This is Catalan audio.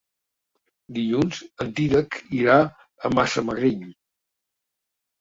Dilluns en Dídac irà a Massamagrell.